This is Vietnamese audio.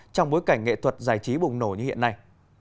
trong bối cảnh nghệ thuật giải trí bùng nổ như hiện nay